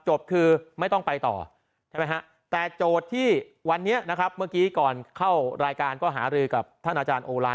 จบคือไม่ต้องไปต่อใช่ไหมฮะแต่โจทย์ที่วันนี้นะครับเมื่อกี้ก่อนเข้ารายการก็หารือกับท่านอาจารย์โอลาน